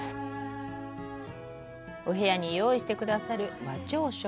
お部屋に用意してくださる和朝食。